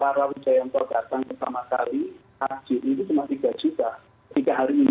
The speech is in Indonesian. jadi berapa penturnya organisasi ini